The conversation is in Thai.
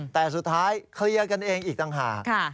แต่สุดท้ายเคลียร์กันเองอีกต่างหาก